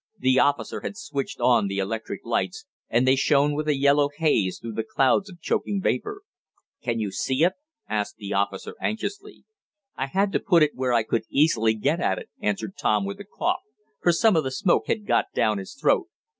The officer had switched on the electric lights, and they shone with a yellow haze through the clouds of choking vapor. "Can you see it?" asked the officer anxiously. "I had it put where I could easily get at it," answered Tom with a cough, for some of the smoke had got down his throat.